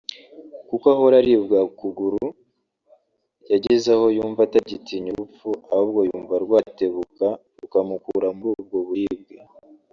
kuko ahora aribwa ukuguru; yageze aho yumva atagitinya urupfu ahubwo yumva rwatebuka rukamukura muri ubwo buribwe